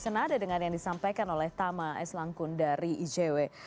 senada dengan yang disampaikan oleh tama s langkun dari icw